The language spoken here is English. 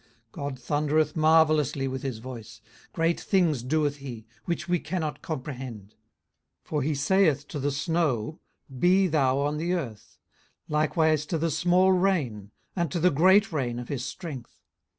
18:037:005 God thundereth marvellously with his voice; great things doeth he, which we cannot comprehend. 18:037:006 For he saith to the snow, Be thou on the earth; likewise to the small rain, and to the great rain of his strength.